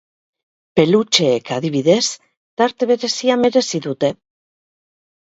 Pelutxeek, adibidez, tarte berezia merezi dute.